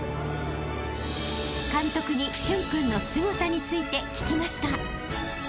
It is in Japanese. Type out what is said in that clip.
［監督に駿君のすごさについて聞きました］